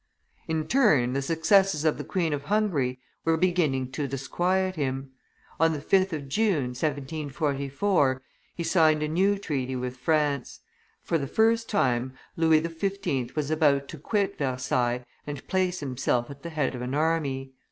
In turn the successes of the Queen of Hungary were beginning to disquiet him; on the 5th of June, 1744, he signed a new treaty with France; for the first time Louis XV. was about to quit Versailles and place himself at the head of an army.